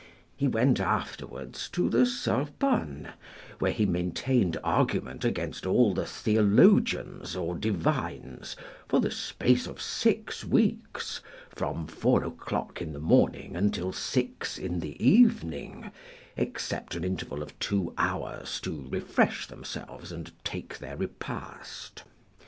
He went afterwards to the Sorbonne, where he maintained argument against all the theologians or divines, for the space of six weeks, from four o'clock in the morning until six in the evening, except an interval of two hours to refresh themselves and take their repast.